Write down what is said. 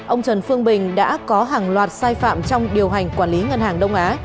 ông trần phương bình đã có hàng loạt sai phạm trong điều hành quản lý ngân hàng đông á